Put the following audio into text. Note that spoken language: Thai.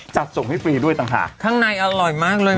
จัดส่งให้ฟรีด้วยต่างหากข้างในอร่อยมากเลย